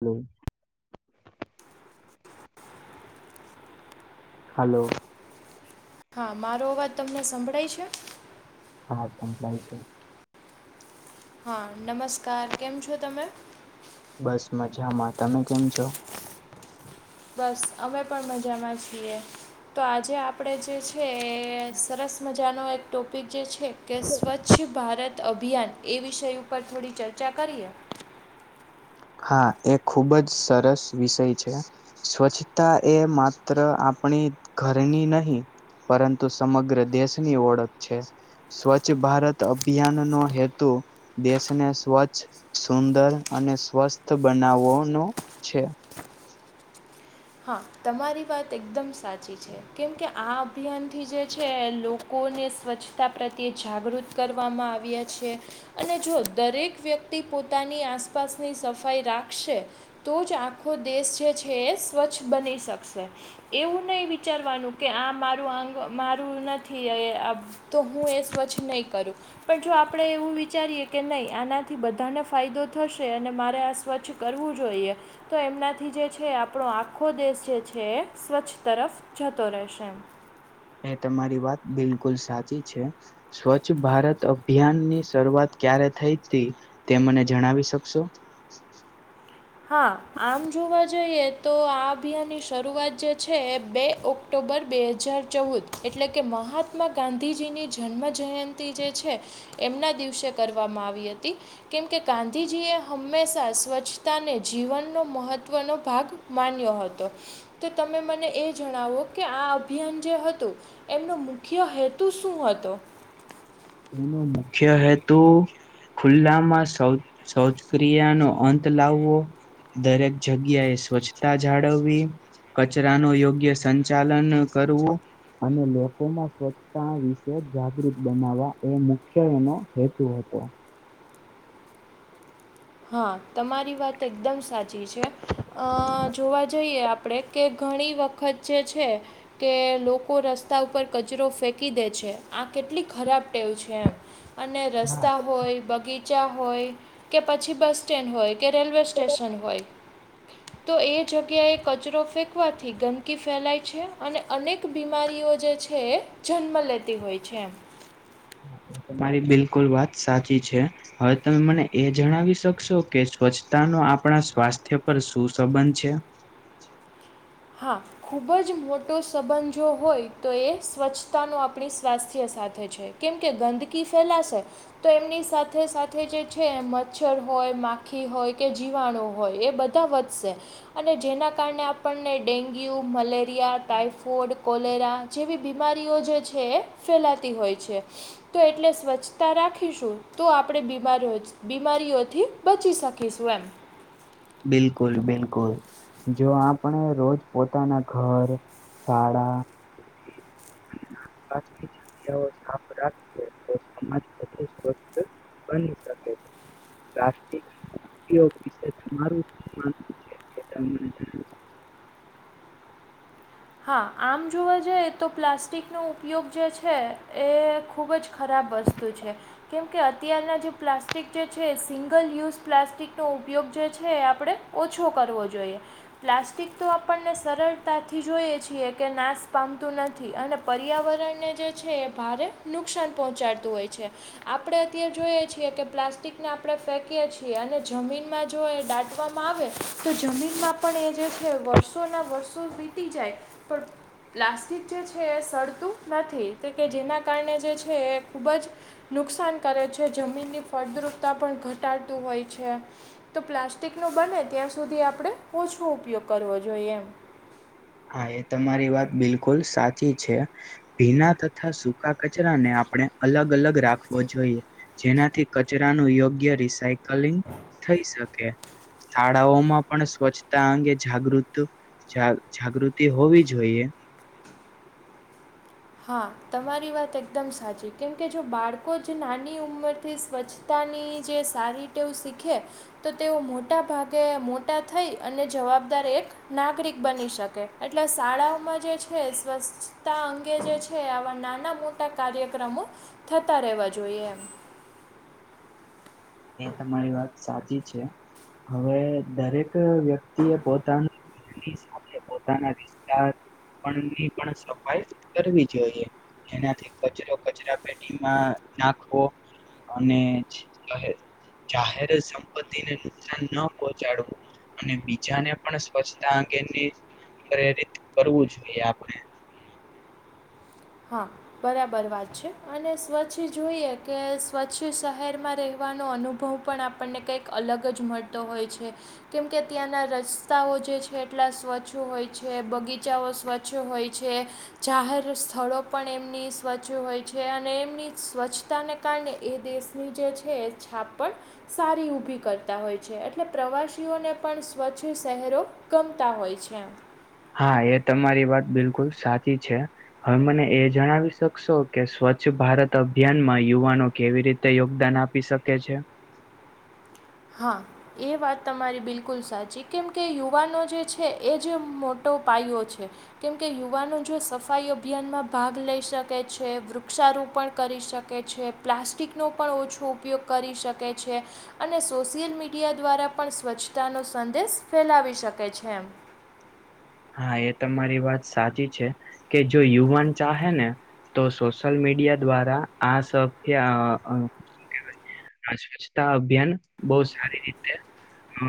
Hello hello હા મારો અવાજ તમને સભળાય છે. હા સપળય છે. હા નમસ્કાર કેમ છો, તમે બસ મજામાં તમે કેમ છો. બસ અમે પણ મજામાં છીએ. તો આજે આપણે જે છે સરસ મજાનો એક ટોપિક જે છે. કે સ્વચ્છ ભારત અભિયાન એ વિષય ઉપર થોડી ચર્ચા કરીએ હા એ ખુબ જ સરસ વિષય છે. સ્વચ્છતા એ માત્ર આપણી ઘરની નહી પરંતુ સમગ્ર દેશની ઓળખ છે. સ્વચ્છ ભારત અભિયાન નો હેતુ. દેશને સ્વચ્છ સુદર અને સ્વસ્થ બનાવવાનો છે. હા તમારી વાત એકદમ સાચી છે કેમ કે આ અભિયાનથી જે છે, લોકો લોકોને સ્વચ્છતા પ્રત્યે જાગૃત કરવામાં આવ્યા છે. અને જો દરેક વ્યક્તિ પોતાની આસપાસની સફાઈ રાખશે તો જ આખો દેશ જે છે, એ સ્વચ્છ બની શકશે એવું નહી વિચારવાનુ કે આ મારું આંગ મારુ નથી તો હુએ સ્વચ્છ નહી કરુ પણ જો આપણે એવુ વિચારીએ કે નહી આનાથી બધાને ફાયદો થશે અને મારે આ સ્વચ્છ કરવું જોઈએ તો એમનાથી જે છે, આપ આપણો આખો દેશ જે છે, એ સ્વચ્છ તરફ જતો રહેશે એમ એ તમારી વાત બિલકુલ સાચી છે. સ્વચ્છ ભારત અભિયાન ની શરૂઆત ક્યારે થઈ હતી. તે મને જણાવી શકશો હા આમ જોવા જઈએ તો આ અભિયાનની શરૂઆત જે છે, બે ઓક ઓક્ટોબર બે હજાર ચૌદ એટલે કે મહાત્મા ગાંધીજીની જન્મજયંતિ જે છે. એમના દિવસે કરવામાં આવી હતી કેમકે ગાંધીજી એ હમેશા સ્વચ્છ પોતાને જીવનનો મહત્વનો ભાગ માન્યો હતો. તો તમે મને એ જણાવો કે આ અભિયાન જે હતુ. એમનો મુખ્ય હેતુ શું હતો? તેનો મુખ્ય હેતુ ખુલ્લામાં શૌચ શૌચક્રિયાનો અંત લાવવો. દરેક જગ્યાએ સ્વચ્છતા જાળવવી. કચરાનો યોગ્ય સંચાલન કરવું. અને લોકોમાં સ્વચ્છતા વિશે જાગૃત બનાવવા. એ મુખ્ય એનો, હેતુ હતો. હા, તમારી વાત એકદમ સાચી છે. અ જોવા જઈએ આપણેે કે ઘણી વખત જે છે. કે લોકો રસ્તા ઉપર કચરો ફેંકી દે છે આ કેટલી ખરાબ ટેવ છે. એમ અને રસ્તા હોય બગીચા હોય. કે પછી બસ સ્ટેન્ડ હોય કે રેલવે સ્ટેશન હોય. તો એ જગ્યાએ કચરો ફેંકવાથી ગંદકી ફેલાય છે અને અનેક બીમારીઓ જે છે જન્મ લેતી હોય છે એમ. તમારી બિલકુલ વાત સાચી છે. હવે તમે મને એ જણાવી શકશો કે સ્વચ્છતાનુ આપણા સ્વાસ્થ્ય પર શું સંબંધ છે? હા. ખૂબ જ મોટો સંબંધ જો હોય તો એ સ્વચ્છતાનો આપણી સ્વાસ્થ્ય સાથે છે. કેમ કે ગંદકી ફેલાશે તો એમની સાથે સાથે જે છે. મચ્છર હોય માખી હોય કે જીવાણુ હોય એ બધ ધા વધશે અને જેના કારણે આપણને ડેન્ગ્યુ, મલેરિયા, ટાઈફોડ, કોલેરા જેવી બીમારીઓ જે છે. ફેલાતી હોય છે. તો એટલે સ્વચ્છતા રાખીશું તો આપણે બીમારીઓથી બીમારીઓથી બચી શકીશું એમ. બિલકુલ બિલકુલ. જો આપણે રોજ પોતાના ઘર, શાળા આસપાસની જગ્યાઓ સાફ રાખએ તો, સમાજ બધું સ્વસ્થ બની શકે છે, પોષિક ઉપયોગ વિશે તમારું હ. હા, આમ જોવા જઈ તો, પ્લાસ્ટિકનો ઉપયોગ જે છે, એ ખૂબ જ ખરાબ હસ્ત વસ્તુ છે. કેમકે અત્યારના જે પ્લાસ્ટિક જે છે, સિંગલ યુઝ પ્લાસ્ટિકનો ઉપયોગ જે છે, એ આપણે ઓછો કરવો જોઈએ, પ્લાસ્ટિક તો આપણને સરળતાથી જ જોઈએ છીએ કે, નાશ પામતું નથી, અને પર્યાવરણને જે છે એ ભારે નુકસાન પહોંચાડતું હોય છે. આપણે અત્યારે જોઈએ છીએ કે, પ્લાસ્ટિકને આપણે ફેંકીએ છીએ, અને જમીનમાં જો આપવામાં આવે તો, જમીનમાં પણ એ જે છે વર્ષો ના વર્ષો વીતી જાય પણ. પ્લાસ્ટિક જે છે, એ સળતું નથી કે જેના કારણે જે છે, એ ખૂબ જ નુકસાન કરે છે, જમીનની ફળદ્રુપતા પણ ઘટાડતું હોય છે. તો પ્લાસ્ટિક નો બને ત્યાં સુધી, આપણે ઓછો ઉપયોગ કરવો જોઈએ એમ. હા, એ તમારી વાત બિલકુલ સાચી છે. ભીના તથા સૂકા કચરાને, આપણે અલગ અલગ રાખવો જોઈએ. જેનાથી કચરાનું યોગ્ય રિસાયકલિંગ થઈ શકે. શાળાઓમાં પણ સ્વચ્છતા અંગે જાગૃત જાગૃતિ હોવી જોઈએ. હા, તમારી વાત એકદમ સાચી. કેમકે જો બાળકો જ નાની ઉંમરથી સ્વચ્છ પોતાની જે સારી ટેવું શીખે. તો તેઓ મોટા ભાગે મોટા થઈ અને જવાબદાર એક નાગરિક બની શકે, એટલે શાળાઓમાં જે છે સ્વચ્છતા અંગ જે છે, આવા નાના-મોટા કાર્યક્રમો થતા રહેવા જોઈએ. એ તમારી વાત સાચી છે, હવે દરેક વ્યક્તિ એ પોતાનું સાથે પોતાના વિસ્તારની પણ સફાઈ કરવી જોઈએ. એનાથી કચરો કચરા પેટીમાં નાખવો, અને કહે જાહેર સંપત્તિને નુકસાન ન પહોચાડવું. અને બીજાને પણ સ્વચ્છતા અંગેની પ્રેરિત, કરવું જોઈએ આપણે. હા. બરાબર વાત છે, અને સ્વચ્છ જોઈએ કે સ્વચ્છ શહેરમાં રહેવાનો અનુભવ પણ આપણને કંઈક અલગ જ મળતો હોય છે. કેમકે ત્યાંના રસ્તાઓ જે છે એટલા સ્વચ્છ હોય છે બગીચાઓ સ્વચ્ હોય છે જાહેર સ્થળો પણ એમની સ્વચ્છ હોય છે અને એમની સ્વચ્છતાને કારણે એ દેશની જે છે. છા પણ સારી ઊભી કરતા હોય છે એટલે પ્રવાસીઓને પણ સ્વચ્છ શહેરો ગમતા હોય છે એમ. હા એ તમારી વાત બિલકુલ સાચી છે. હવે મને એ જણાવી શકશો કે સ્વચ્છ ભારત અભિયાનમાં યુવાનો કેવી રીતે તે યોગદાન આપી શકે છે. હા. એ વાત તમારી બિલકુલ સાચી કેમ કે યુવાનો જે છે એ જે મોટો પાયો છે. કેમકે યુવાનો જો સફાઈ અભિયાનમાં ભાગ લઈ શકે છે વૃક્ષારોપણ કરી શકે છે પ્લાસ્ટિકનો પણ ઓછો ઉપયોગ કરી શકે છે, અને સોશિયલ મીડિયા દ્વારા પણ સ્વચ્છતાનો સંદેશ ફેલાવી શકે છે. હા એ તમારી વાત સાચી છે, કે જો યુવાન ચાહે ને તો સોશિયલ મીડિયા દ્વારા આ સ સ્વચ્છતા અભિયાન બહ સારી રીતે અ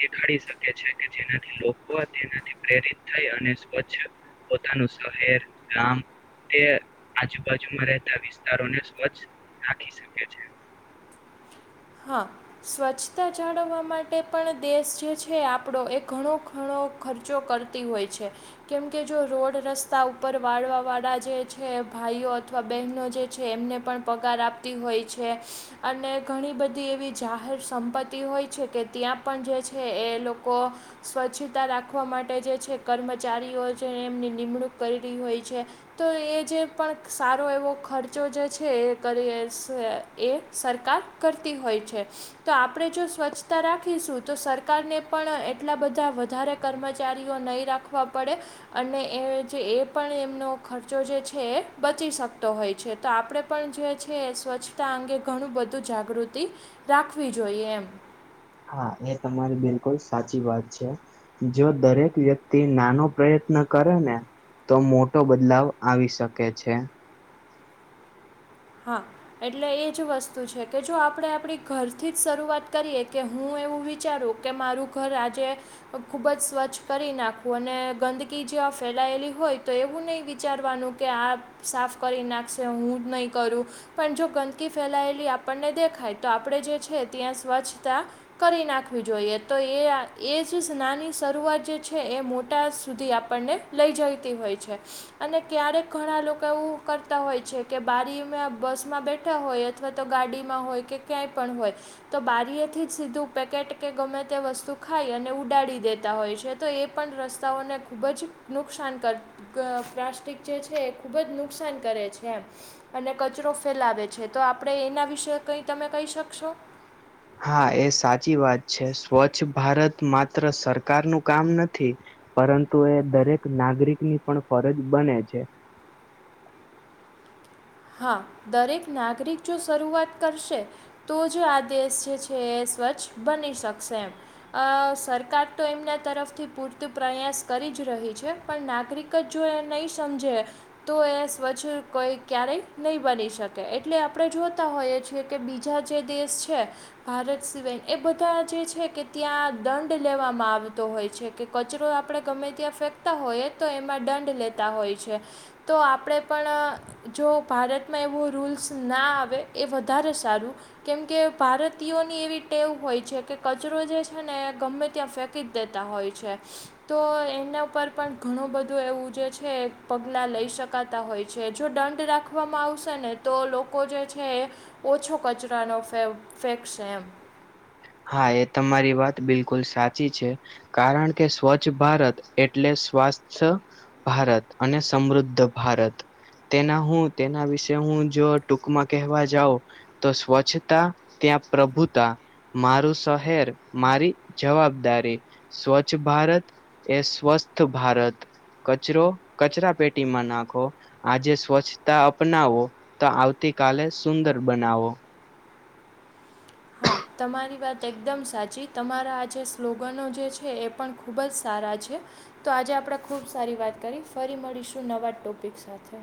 દેખાડી શકે છે કે જેનાથી લોકો તેનાથી પ્રેરિત થઈ અને સ્વચ્છ પોતાનું શહેર, ગામ. તે આજુબાજુમાં રહેતા વિસ્તારો ને સ્વચ્છ રાખી શકે છે. હા. સ્વચ્છતા જાળવવા માટે પણ દેશ જે છે આપણો એ ઘણો ઘણો ખર્ચો કરતી હોય છે. કેમ કે જો રોડ રસ્તા ઉપર વાળવા વાળા જે છે ભાઈઓ અથવા બહેનો જે છે એમને પણ પગાર આપતી હોય છે, અને ઘણી બધી થી એવી જાહેર સંપત્તિ હોય છે કે ત્યાં પણ જે છે એ લોકો સ્વચ્છતા રાખવા માટે જે છે કર્મચારીઓ છે એમની નિમણૂક કરી રહી હોય છે. તો એ જે પણ સારો એવો ખર્ચો જે છે એ કરીએ. એ સરકાર કરતી હોય છે. તો આપણે જો સ્વચ્છતા રાખીશું તો સરકાર ને પણ એટલા બધા વધારે કર્મચારીઓ નહીં રાખવા પડે. અને એ જે એ પણ એમનો ખર્ચો જે છે એ બચી શકતો હોય છે તો આપણે પણ જે છે એ સ્વચ્છતા અંગે ઘણું બધું જાગૃતિ, રાખવી જોઈએ એમ. હા એ તમારી બિલકુલ સાચી વાત છે. જો દરેક વ્યક્તિ નાનો પ્રયત્ન કરે ને. તો મોટો બદલાવ આવી શકે છે. હા. એટલે એ જ વસ્તુ છે કે જો આપણે આપણી ઘરથી જ શરૂઆત કરીએ કે હું એવું વિચારું. કે મારું ઘર આજે ખૂબ જ સ્વચ્છ કરી નાખવું અને ગંદકી જં ફેલાયેલી હોય તો એવું નહીં વિચારવાનું કે આ સાફ કરી નાખશે હું જ નહીં કરું પણ જો ગંદકી ફેલાયેલી આપણને દેખાય તો આપણે જે છે ત્યાં સ્વચ્છતા કરી નાખવી જોઈએ તો એ એ જ નાની શરૂઆત જે છે એ મોટા સુધી આપણને લઈ જતી હોય છે અને ક્યારેક ઘણા લોકો એવું કરતા હોય છે, કે બારી તમે બસમાં બેઠા હોય અથવા તો ગાડીમાં હોય કે ક્યાંય પણ હોય. તો બારીએથી જ સીધું પેકેટ કે ગમે તે વસ્તુ ખાય અને ઉડાડી દેતા હોય છે. તો એ પણ રસ્તાઓને ખૂબ જ નુકસાન કર ગ પ્લાસ્ટિક જે છેએ, ખૂબજ નુકસાન કરે છે. અને કચરો ફેલાવે છે, તો આપડણે એના વિશે કઈ તમે કહી શકશો હા એ સાચી વાત છે સ્વચ્છ ભારત માત્ર સરકાર નુ કામ નથી. પરંતુ એ દરેક નાગરિકની પણ ફરજ બને છે. હા દરેક નાગરિક જો શરૂઆત કરશે તો જ આ દેશ જે છે, એ સ્વચ્છ બની શકશે એમ અ સરકાર તો એમના તરફથી પૂરત પ્રયાસ કરી જ રહી છે. પણ નાગરિક જ જો એ નહી સમજે તો એ સ્વચ્છ કોઈક ક્યારેય નહીં બની શકે એટલે આપણે જોતા હોઈએ છીએ કે બીજા જે દેશ છે. ભારત સિવાય એ બધા જે છે કે ત્યાં દંડ લેવામાં આવતો હોય છે, કે કચરો આપણે ગમે ત્યાં ફેંકતા હોઈએ તો એમાં દંડ લેતા હોય છે. તો આપણે પણ જો ભારતમાં એવો રૂલ્સ ના આવે એ વધારે સારુ કેમકે ભારતીયોની એવી ટેવ હોય છે કે કચરો જે છેને, ગમે ત્યાં ફેક ક દેતા હોય છે. તો એના ઉપર પણ ઘણું બધું એવું જે છે પગલા લઈ શકાતા હોય છે. જો દંડ રાખવામાં આવશે ને તો લોકો જે છે, એ ઓછો કચરાનો ફેક છે, એમ હા એ તમારી વાત બિલકુલ સાચી છે. કારણ કે સ્વચ્છ ભારત એટલે સ્વાસ્થ ભારત અને સમૃદ્ધ ભારત તેના હુતેના વિશે હુ જો ટૂકમા કહેવા જાઉ તો સ્વચ્છતા ત્યા પ્રભુતા મારું શહેર મારી જવાબદારી સ્વચ્છ ભારત એ સ્વસ્થ ભારત કચરો કચરા પેટીમા નાખો આજે સ્વચ્છતા અપનાવો તો આવતી કલે સુંદર બનાવો હા તમારી વાત એકદમ સાચી તમારા આ જે સ્લોગનો જે છે, એ પણ ખૂબ જ સારા છે. તો આજે આપણે ખુબ સારી વાત કરી ફરી મળીશું નવા ટોપિક સાથે